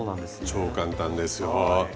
超簡単ですよ。